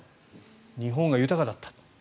日本が豊かだった。